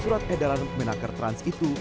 surat edaran menaker trans itu